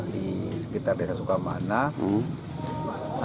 di sekitar desa sukamanah